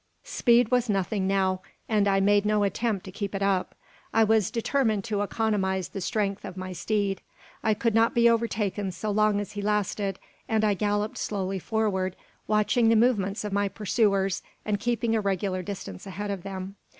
Speed was nothing now, and I made no attempt to keep it up. I was determined to economise the strength of my steed. I could not be overtaken so long as he lasted; and I galloped slowly forward, watching the movements of my pursuers, and keeping a regular distance ahead of them.